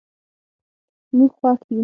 موږ خوښ یو.